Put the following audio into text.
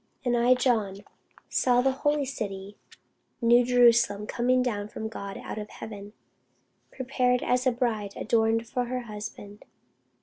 And I John saw the holy city, new Jerusalem, coming down from God out of heaven, prepared as a bride adorned for her husband.